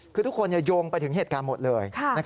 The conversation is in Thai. คือทุกคนโยงไปถึงเหตุการณ์หมดเลย